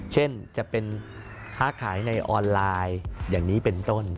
เช่นจะเป็นค้าขายในออนไลน์อย่างนี้เป็นต้น